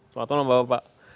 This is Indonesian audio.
selamat malam bapak